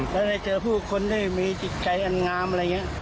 แล้วได้เจอผู้คนได้มีจิตใจอันงามอะไรอย่างนี้